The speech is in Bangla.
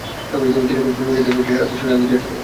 তিনি কৌশলে মুজাহিদদের পশ্চাতে সরিয়ে আনতে চেষ্টা করেন।